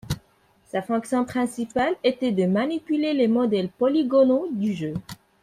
Sa fonction principale était de manipuler les modèles polygonaux du jeu.